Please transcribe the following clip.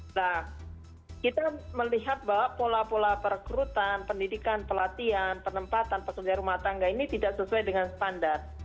nah kita melihat bahwa pola pola perekrutan pendidikan pelatihan penempatan pekerja rumah tangga ini tidak sesuai dengan standar